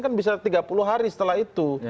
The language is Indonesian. kan bisa tiga puluh hari setelah itu